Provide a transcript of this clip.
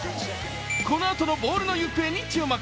このあとのボールの行方に注目。